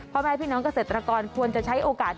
พ่อแม่พี่น้องเกษตรกรควรจะใช้โอกาส